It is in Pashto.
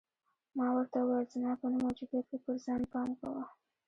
ما ورته وویل: زما په نه موجودیت کې پر ځان پام کوه.